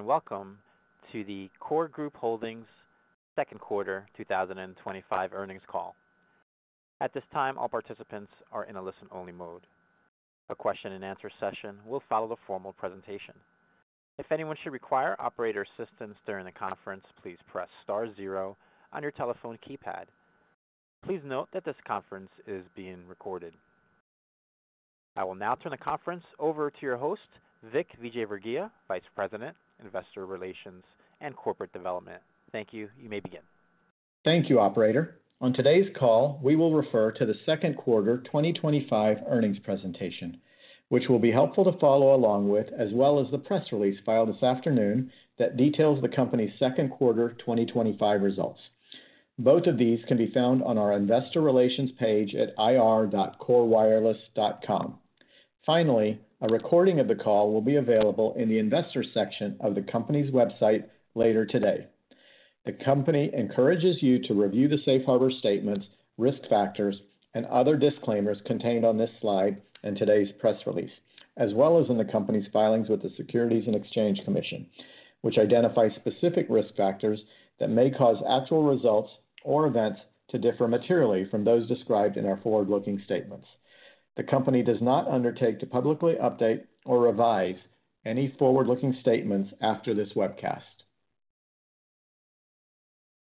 Welcome to the KORE Group Holdings' Second Quarter 2025 Earnings Call. At this time, all participants are in a listen-only mode. A question-and-answer session will follow the formal presentation. If anyone should require operator assistance during the conference, please press star zero on your telephone keypad. Please note that this conference is being recorded. I will now turn the conference over to your host, Vik Vijayvergiya, Vice President, Investor Relations and Corporate Development. Thank you. You may begin. Thank you, Operator. On today's call, we will refer to the second quarter 2025 earnings presentation, which will be helpful to follow along with, as well as the press release filed this afternoon that details the company's second quarter 2025 results. Both of these can be found on our Investor Relations page at ir.korewireless.com. Finally, a recording of the call will be available in the Investors section of the company's website later today. The company encourages you to review the safe harbor statements, risk factors, and other disclaimers contained on this slide and today's press release, as well as in the company's filings with the Securities and Exchange Commission, which identify specific risk factors that may cause actual results or events to differ materially from those described in our forward-looking statements. The company does not undertake to publicly update or revise any forward-looking statements after this webcast.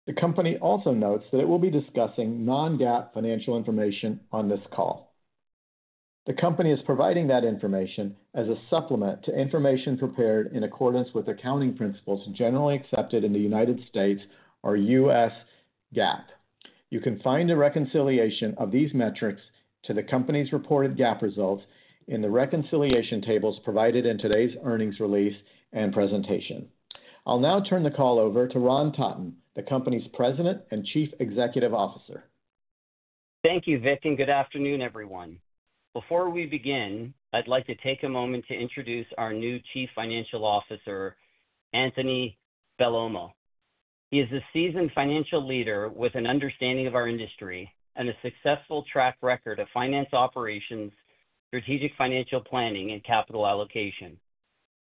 The company also notes that it will be discussing non-GAAP financial information on this call. The company is providing that information as a supplement to information prepared in accordance with accounting principles generally accepted in the U.S. or U.S. GAAP. You can find a reconciliation of these metrics to the company's reported GAAP results in the reconciliation tables provided in today's earnings release and presentation. I'll now turn the call over to Ron Totton, the company's President and Chief Executive Officer. Thank you, Vik, and good afternoon, everyone. Before we begin, I'd like to take a moment to introduce our new Chief Financial Officer, Anthony Bellomo. He is a seasoned financial leader with an understanding of our industry and a successful track record of finance operations, strategic financial planning, and capital allocation.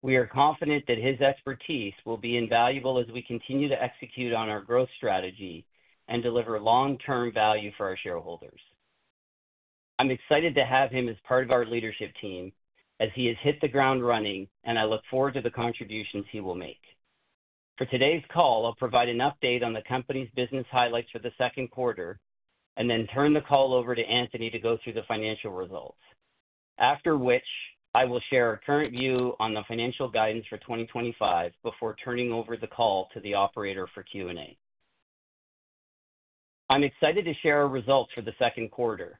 We are confident that his expertise will be invaluable as we continue to execute on our growth strategy and deliver long-term value for our shareholders. I'm excited to have him as part of our leadership team, as he has hit the ground running, and I look forward to the contributions he will make. For today's call, I'll provide an update on the company's business highlights for the second quarter and then turn the call over to Anthony to go through the financial results, after which I will share our current view on the financial guidance for 2025 before turning over the call to the Operator for Q&A. I'm excited to share our results for the second quarter.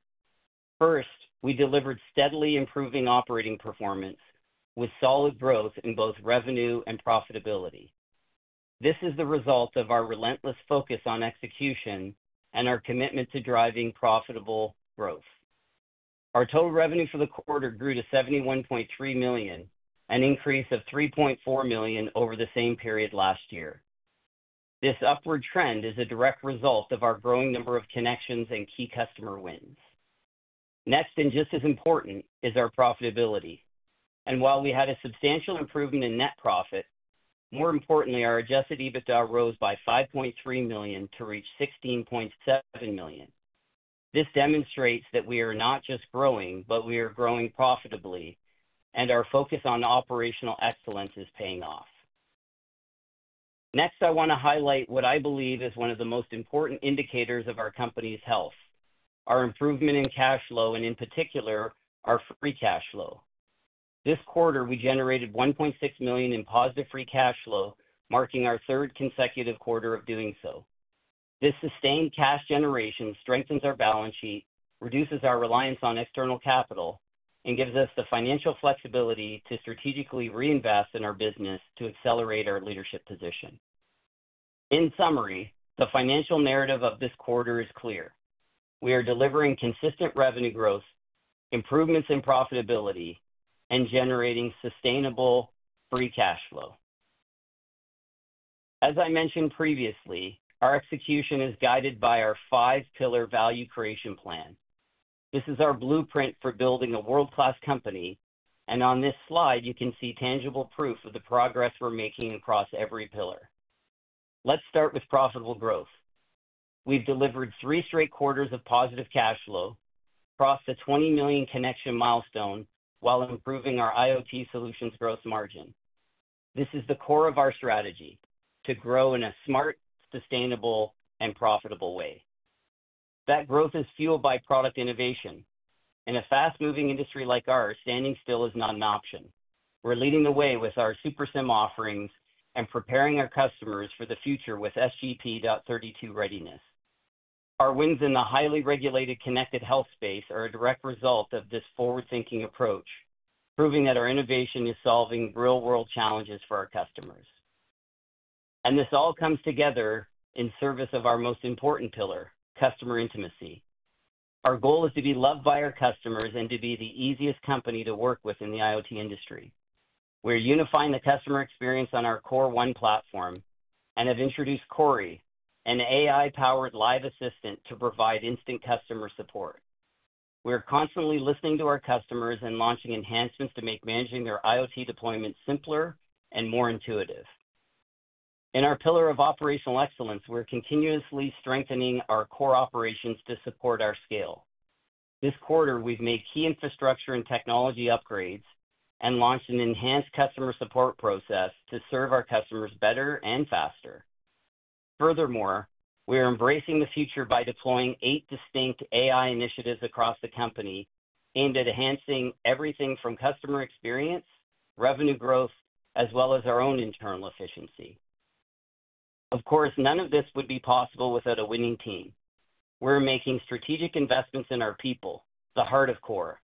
First, we delivered steadily improving operating performance with solid growth in both revenue and profitability. This is the result of our relentless focus on execution and our commitment to driving profitable growth. Our total revenue for the quarter grew to $71.3 million, an increase of $3.4 million over the same period last year. This upward trend is a direct result of our growing number of connections and key customer wins. Next, and just as important, is our profitability. While we had a substantial improvement in net profit, more importantly, our adjusted EBITDA rose by $5.3 million to reach $16.7 million. This demonstrates that we are not just growing, but we are growing profitably, and our focus on operational excellence is paying off. Next, I want to highlight what I believe is one of the most important indicators of our company's health – our improvement in cash flow, and in particular, our free cash flow. This quarter, we generated $1.6 million in positive free cash flow, marking our third consecutive quarter of doing so. This sustained cash generation strengthens our balance sheet, reduces our reliance on external capital, and gives us the financial flexibility to strategically reinvest in our business to accelerate our leadership position. In summary, the financial narrative of this quarter is clear. We are delivering consistent revenue growth, improvements in profitability, and generating sustainable free cash flow. As I mentioned previously, our execution is guided by our five-pillar value creation plan. This is our blueprint for building a world-class company, and on this slide, you can see tangible proof of the progress we're making across every pillar. Let's start with profitable growth. We've delivered three straight quarters of positive cash flow, crossed the $20 million connection milestone, while improving our IoT solutions' gross margin. This is the core of our strategy – to grow in a smart, sustainable, and profitable way. That growth is fueled by product innovation. In a fast-moving industry like ours, standing still is not an option. We're leading the way with our SuperSIM offerings and preparing our customers for the future with SGP.32 readiness. Our wins in the highly regulated connected health space are a direct result of this forward-thinking approach, proving that our innovation is solving real-world challenges for our customers. This all comes together in service of our most important pillar: customer intimacy. Our goal is to be loved by our customers and to be the easiest company to work with in the IoT industry. We're unifying the customer experience on our Core One platform and have introduced KORE, an AI-powered customer support assistant to provide instant customer support. We're constantly listening to our customers and launching enhancements to make managing their IoT deployment simpler and more intuitive. In our pillar of operational excellence, we're continuously strengthening our core operations to support our scale. This quarter, we've made key infrastructure and technology upgrades and launched an enhanced customer support process to serve our customers better and faster. Furthermore, we're embracing the future by deploying eight distinct AI initiatives across the company aimed at enhancing everything from customer experience, revenue growth, as well as our own internal efficiency. Of course, none of this would be possible without a winning team. We're making strategic investments in our people, the heart of KORE.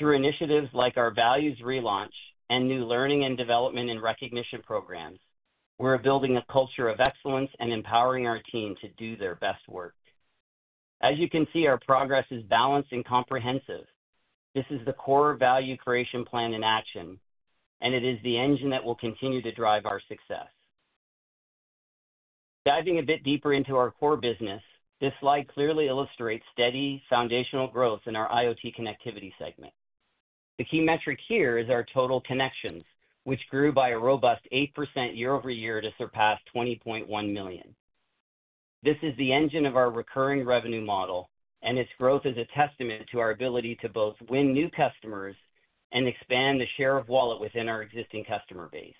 Through initiatives like our Values Relaunch and new learning and development and recognition programs, we're building a culture of excellence and empowering our team to do their best work. As you can see, our progress is balanced and comprehensive. This is the KORE Value Creation Plan in action, and it is the engine that will continue to drive our success. Diving a bit deeper into our core business, this slide clearly illustrates steady, foundational growth in our IoT connectivity segment. The key metric here is our total connections, which grew by a robust 8% year-over-year to surpass $20.1 million. This is the engine of our recurring revenue model, and its growth is a testament to our ability to both win new customers and expand the share of wallet within our existing customer base.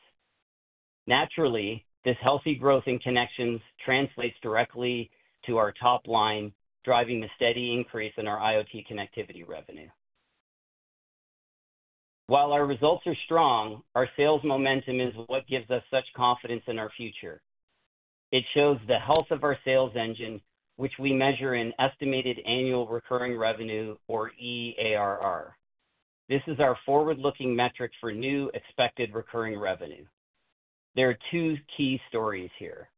Naturally, this healthy growth in connections translates directly to our top line, driving the steady increase in our IoT connectivity revenue. While our results are strong, our sales momentum is what gives us such confidence in our future. It shows the health of our sales engine, which we measure in estimated annual recurring revenue, or EARR. This is our forward-looking metric for new expected recurring revenue. There are two key stories here.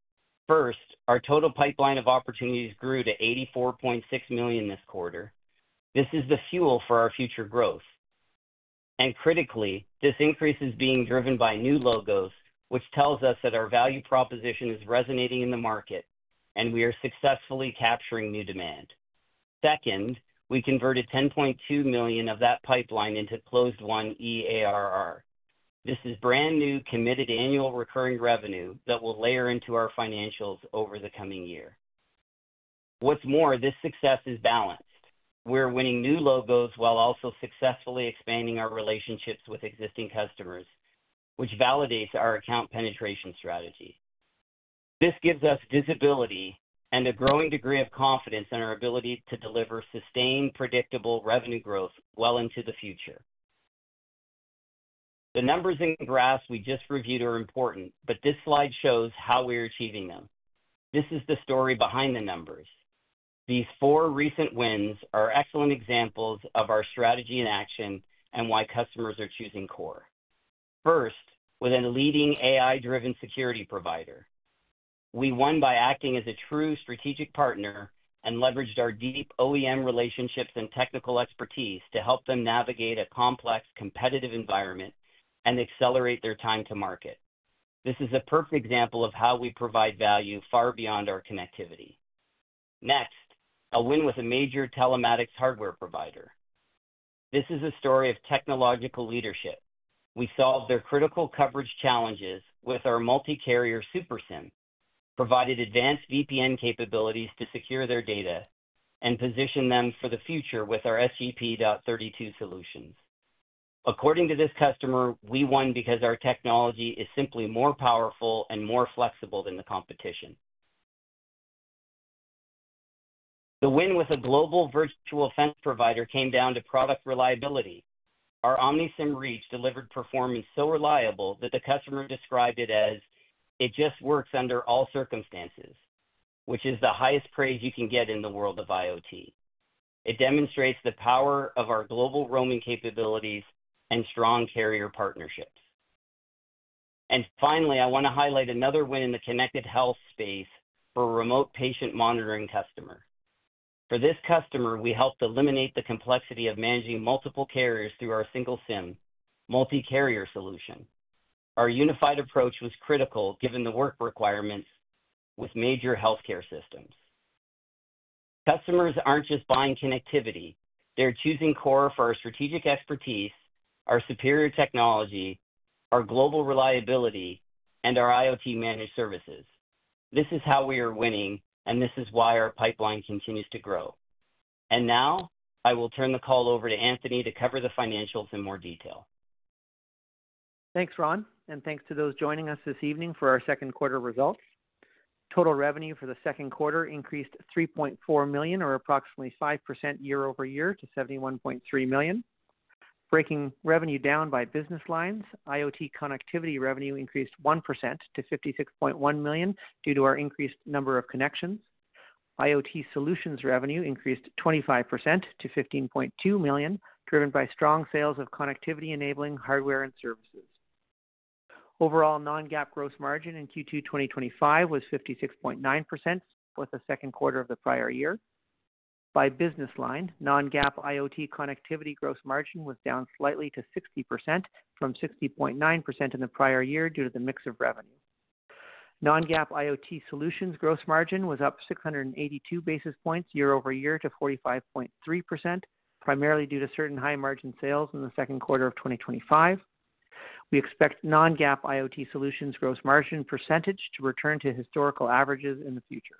First, our total pipeline of opportunities grew to $84.6 million this quarter. This is the fuel for our future growth. Critically, this increase is being driven by new logos, which tells us that our value proposition is resonating in the market and we are successfully capturing new demand. Second, we converted $10.2 million of that pipeline into Closed One EARR. This is brand new, committed annual recurring revenue that will layer into our financials over the coming year. What's more, this success is balanced. We're winning new logos while also successfully expanding our relationships with existing customers, which validates our account penetration strategy. This gives us visibility and a growing degree of confidence in our ability to deliver sustained, predictable revenue growth well into the future. The numbers in the graphs we just reviewed are important, but this slide shows how we're achieving them. This is the story behind the numbers. These four recent wins are excellent examples of our strategy in action and why customers are choosing KORE. First, we're the leading AI-driven security provider. We won by acting as a true strategic partner and leveraged our deep OEM relationships and technical expertise to help them navigate a complex competitive environment and accelerate their time to market. This is a perfect example of how we provide value far beyond our connectivity. Next, a win with a major telematics hardware provider. This is a story of technological leadership. We solved their critical coverage challenges with our multi-carrier SuperSIM, provided advanced VPN capabilities to secure their data, and positioned them for the future with our SGP.32 solutions. According to this customer, we won because our technology is simply more powerful and more flexible than the competition. The win with a global virtual fence provider came down to product reliability. Our Omnisyn Reach delivered performance so reliable that the customer described it as, "It just works under all circumstances," which is the highest praise you can get in the world of IoT. It demonstrates the power of our global roaming capabilities and strong carrier partnerships. Finally, I want to highlight another win in the connected health space for a remote patient monitoring customer. For this customer, we helped eliminate the complexity of managing multiple carriers through our single SIM, multi-carrier solution. Our unified approach was critical given the work requirements with major healthcare systems. Customers aren't just buying connectivity; they're choosing KORE for our strategic expertise, our superior technology, our global reliability, and our IoT managed services. This is how we are winning, and this is why our pipeline continues to grow. Now, I will turn the call over to Anthony to cover the financials in more detail. Thanks, Ron, and thanks to those joining us this evening for our second quarter results. Total revenue for the second quarter increased $3.4 million, or approximately 5% year-over-year, to $71.3 million. Breaking revenue down by business lines, IoT connectivity revenue increased 1% to $56.1 million due to our increased number of connections. IoT solutions revenue increased 25% to $15.2 million, driven by strong sales of connectivity-enabling hardware and services. Overall, non-GAAP gross margin in Q2 2025 was 56.9%, with the second quarter of the prior year. By business line, non-GAAP IoT connectivity gross margin was down slightly to 60% from 60.9% in the prior year due to the mix of revenue. Non-GAAP IoT solutions gross margin was up 682 basis points year-over-year to 45.3%, primarily due to certain high margin sales in the second quarter of 2025. We expect non-GAAP IoT solutions gross margin percentage to return to historical averages in the future.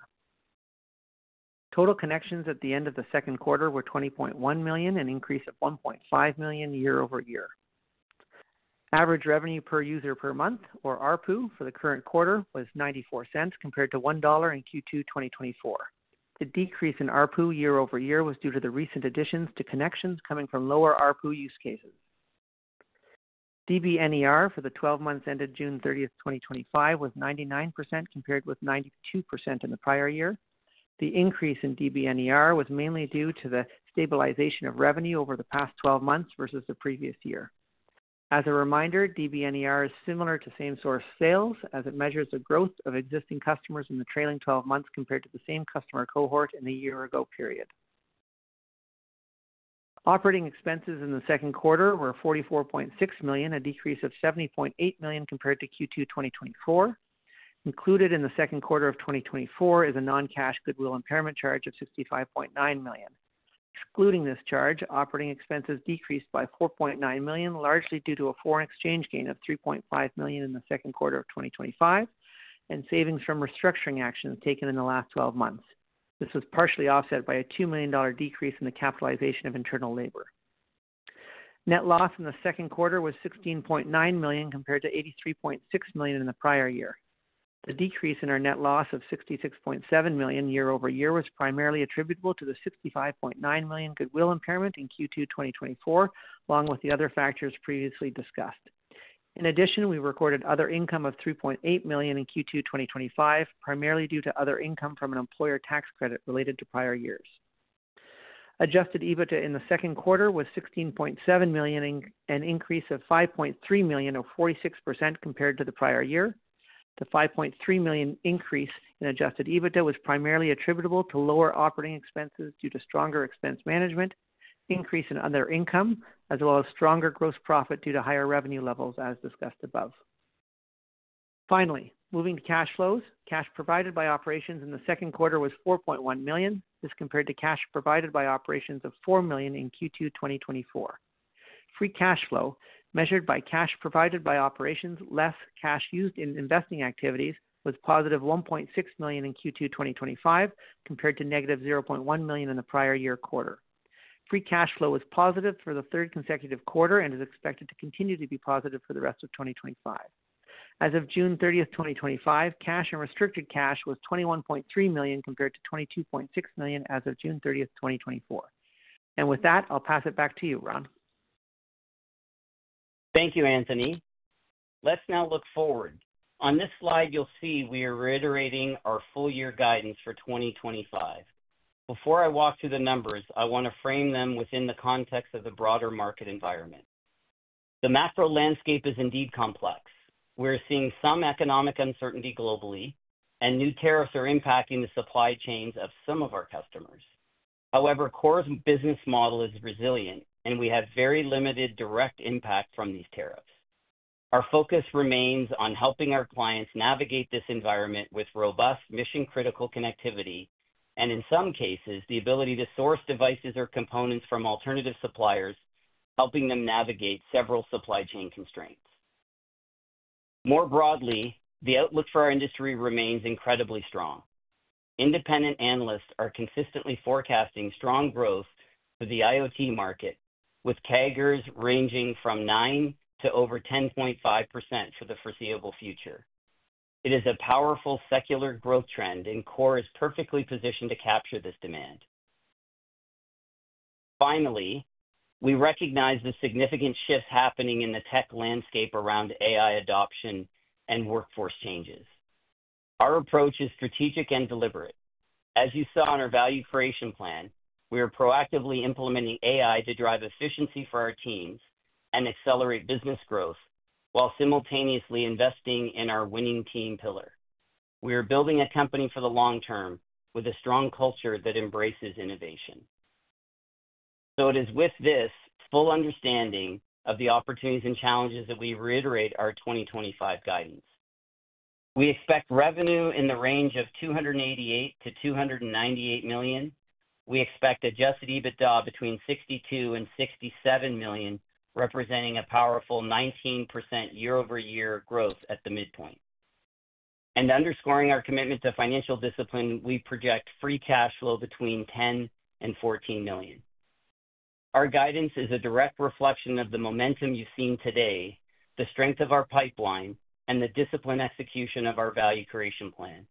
Total connections at the end of the second quarter were $20.1 million, an increase of $1.5 million year-over-year. Average revenue per user per month, or ARPU, for the current quarter was $0.94 compared to $1 in Q2 2024. The decrease in ARPU year-over-year was due to the recent additions to connections coming from lower ARPU use cases. DBNER for the 12 months ended June 30th, 2025, was 99% compared with 92% in the prior year. The increase in DBNER was mainly due to the stabilization of revenue over the past 12 months versus the previous year. As a reminder, DBNER is similar to same-source sales, as it measures the growth of existing customers in the trailing 12 months compared to the same customer cohort in the year-ago period. Operating expenses in the second quarter were $44.6 million, a decrease of $70.8 million compared to Q2 2024. Included in the second quarter of 2024 is a non-cash goodwill impairment charge of $65.9 million. Excluding this charge, operating expenses decreased by $4.9 million, largely due to a foreign exchange gain of $3.5 million in the second quarter of 2025, and savings from restructuring actions taken in the last 12 months. This was partially offset by a $2 million decrease in the capitalization of internal labor. Net loss in the second quarter was $16.9 million compared to $83.6 million in the prior year. The decrease in our net loss of $66.7 million year-over-year was primarily attributable to the $65.9 million goodwill impairment in Q2 2024, along with the other factors previously discussed. In addition, we recorded other income of $3.8 million in Q2 2025, primarily due to other income from an employer tax credit related to prior years. Adjusted EBITDA in the second quarter was $16.7 million, an increase of $5.3 million, or 46% compared to the prior year. The $5.3 million increase in adjusted EBITDA was primarily attributable to lower operating expenses due to stronger expense management, increase in other income, as well as stronger gross profit due to higher revenue levels as discussed above. Finally, moving to cash flows, cash provided by operations in the second quarter was $4.1 million. This compared to cash provided by operations of $4 million in Q2 2024. Free cash flow, measured by cash provided by operations, less cash used in investing activities, was positive $1.6 million in Q2 2025 compared to negative $0.1 million in the prior year quarter. Free cash flow was positive for the third consecutive quarter and is expected to continue to be positive for the rest of 2025. As of June 30th, 2025, cash and restricted cash was $21.3 million compared to $22.6 million as of June 30th, 2024. With that, I'll pass it back to you, Ron. Thank you, Anthony. Let's now look forward. On this slide, you'll see we are reiterating our full-year guidance for 2025. Before I walk through the numbers, I want to frame them within the context of the broader market environment. The macro landscape is indeed complex. We're seeing some economic uncertainty globally, and new tariffs are impacting the supply chains of some of our customers. However, KORE's business model is resilient, and we have very limited direct impact from these tariffs. Our focus remains on helping our clients navigate this environment with robust, mission-critical connectivity, and in some cases, the ability to source devices or components from alternative suppliers, helping them navigate several supply chain constraints. More broadly, the outlook for our industry remains incredibly strong. Independent analysts are consistently forecasting strong growth for the IoT market, with CAGRs ranging from 9% to over 10.5% for the foreseeable future. It is a powerful, secular growth trend, and KORE is perfectly positioned to capture this demand. Finally, we recognize the significant shifts happening in the tech landscape around AI adoption and workforce changes. Our approach is strategic and deliberate. As you saw in our value creation plan, we are proactively implementing AI to drive efficiency for our teams and accelerate business growth, while simultaneously investing in our winning team pillar. We are building a company for the long term with a strong culture that embraces innovation. It is with this full understanding of the opportunities and challenges that we reiterate our 2025 guidance. We expect revenue in the range of $288 million-$298 million. We expect adjusted EBITDA between $62 million and $67 million, representing a powerful 19% year-over-year growth at the midpoint. Underscoring our commitment to financial discipline, we project free cash flow between $10 million and $14 million. Our guidance is a direct reflection of the momentum you've seen today, the strength of our pipeline, and the disciplined execution of our value creation plan.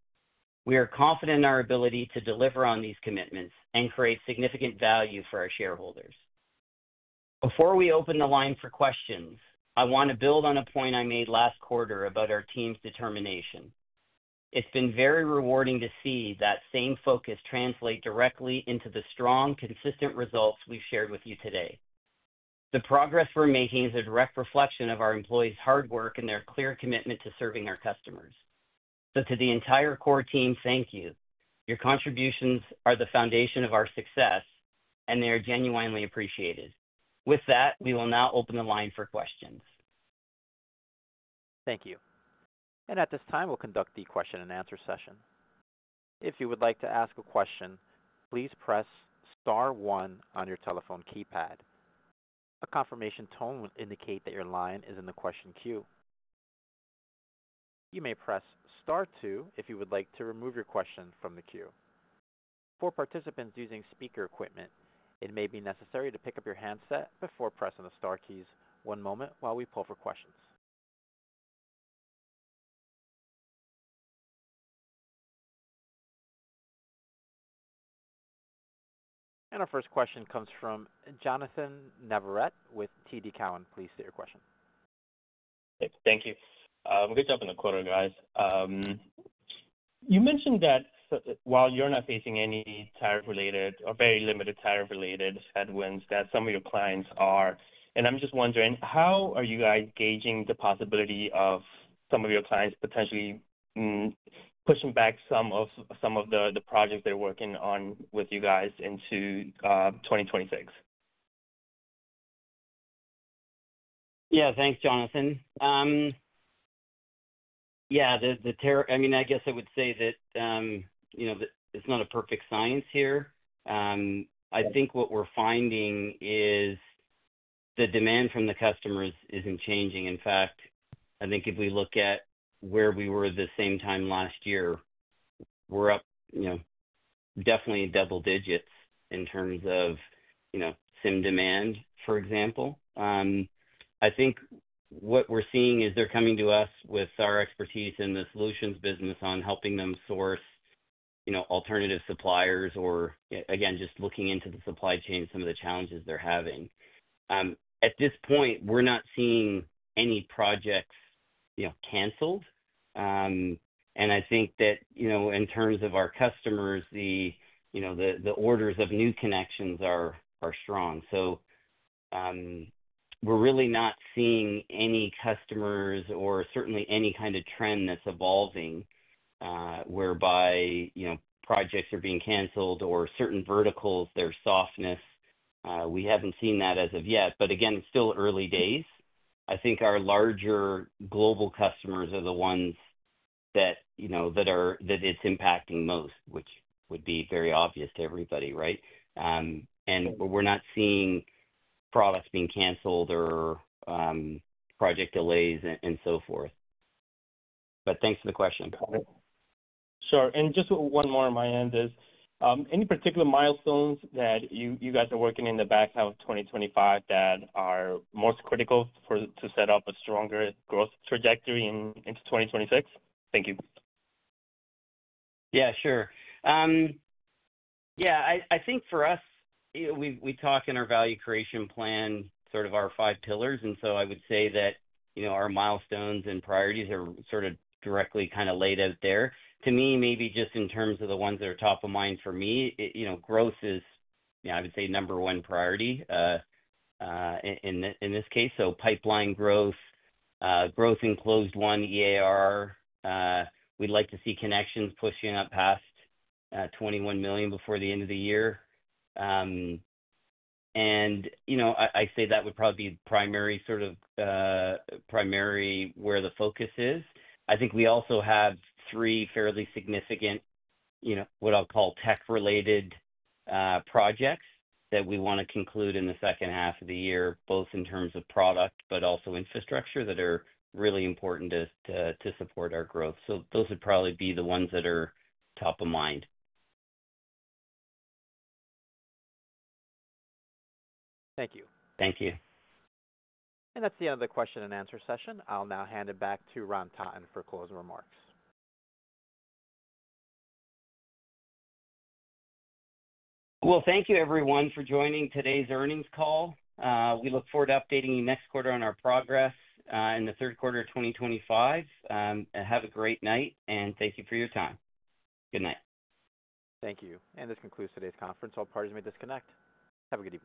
We are confident in our ability to deliver on these commitments and create significant value for our shareholders. Before we open the line for questions, I want to build on a point I made last quarter about our team's determination. It's been very rewarding to see that same focus translate directly into the strong, consistent results we've shared with you today. The progress we're making is a direct reflection of our employees' hard work and their clear commitment to serving our customers. To the entire KORE team, thank you. Your contributions are the foundation of our success, and they are genuinely appreciated. With that, we will now open the line for questions. Thank you. At this time, we'll conduct the question-and-answer session. If you would like to ask a question, please press star one on your telephone keypad. A confirmation tone will indicate that your line is in the question queue. You may press star two if you would like to remove your question from the queue. For participants using speaker equipment, it may be necessary to pick up your handset before pressing the star keys. One moment while we poll for questions. Our first question comes from Jonnathan Navarrete with TD Cowen. Please state your question. Thank you. Good job in the quarter, guys. You mentioned that while you're not facing any tariff-related or very limited tariff-related headwinds that some of your clients are, and I'm just wondering how are you guys gauging the possibility of some of your clients potentially pushing back some of the projects they're working on with you guys into 2026? Yeah, thanks, Jonathan. The tariff, I mean, I guess I would say that it's not a perfect science here. I think what we're finding is the demand from the customers isn't changing. In fact, I think if we look at where we were at the same time last year, we're up definitely double digits in terms of SIM demand, for example. I think what we're seeing is they're coming to us with our expertise in the solutions business on helping them source alternative suppliers or, again, just looking into the supply chain and some of the challenges they're having. At this point, we're not seeing any projects canceled. I think that, in terms of our customers, the orders of new connections are strong. We're really not seeing any customers or certainly any kind of trend that's evolving whereby projects are being canceled or certain verticals, their softness. We haven't seen that as of yet, but again, it's still early days. I think our larger global customers are the ones that it's impacting most, which would be very obvious to everybody, right? We're not seeing products being canceled or project delays and so forth. Thanks for the question. Sure. Just one more on my end, is any particular milestones that you guys are working in the back now of 2025 that are most critical for to set up a stronger growth trajectory into 2026? Thank you. Yeah, sure. I think for us, we talk in our value creation plan, sort of our five pillars. I would say that our milestones and priorities are sort of directly kind of laid out there. To me, maybe just in terms of the ones that are top of mind for me, growth is, I would say, number one priority in this case. Pipeline growth, growth in Closed One EAR. We'd like to see connections pushing up past $21 million before the end of the year. I say that would probably be the primary sort of, primary where the focus is. I think we also have three fairly significant, what I'll call tech-related projects that we want to conclude in the second half of the year, both in terms of product, but also infrastructure that are really important to support our growth. Those would probably be the ones that are top of mind. Thank you. Thank you. That is the end of the question-and-answer session. I'll now hand it back to Ron Totton for closing remarks. Thank you, everyone, for joining today's earnings call. We look forward to updating you next quarter on our progress in the third quarter of 2025. Have a great night, and thank you for your time. Good night. Thank you. This concludes today's conference. All parties may disconnect. Have a good evening.